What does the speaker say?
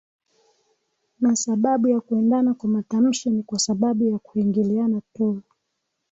na sababu ya kuendana kwa matamshi ni kwa sababu ya kuingiliana tu